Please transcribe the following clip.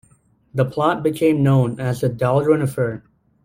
The plot became known as the Dahlgren Affair.